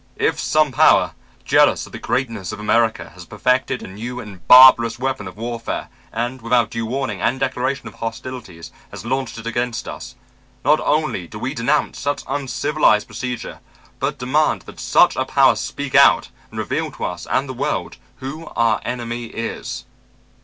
"If some power, jealous of the greatness of America, has perfected a new and barbarous weapon of warfare, and without due warning and declaration of hostilities has launched it against us, not only do we denounce such uncivilized procedure, but demand that such a power speak out and reveal to us and the world who our enemy is."